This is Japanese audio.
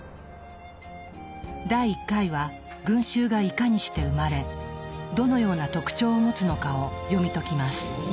第１回は群衆がいかにして生まれどのような特徴を持つのかを読み解きます。